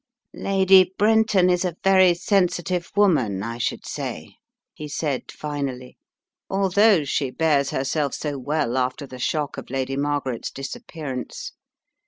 "Lady Brenton is a very sensitive woman, I should jsay," he said, finally, "although she bears herself so well after the shock of Lady Margaret's disappear ance.